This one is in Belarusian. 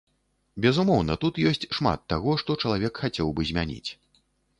Безумоўна, тут ёсць шмат таго, што чалавек хацеў бы змяніць.